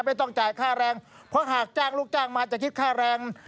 ไม่ต้องจ่ายค่าแรงเพราะหากจ้างลูกจ้างมาจะคิดค่าแรง